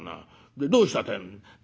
でどうしたってえんだ」。